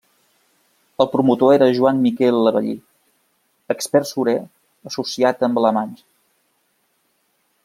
El promotor era Joan Miquel Avellí, expert surer associat amb alemanys.